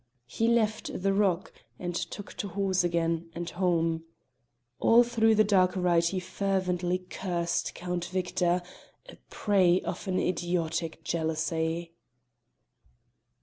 He left the rock, and took to horse again, and home. All through the dark ride he fervently cursed Count Victor, a prey of an idiotic jealousy.